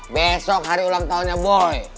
besok hari ulang tahunnya boy